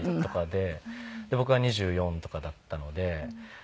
で僕が２４とかだったので。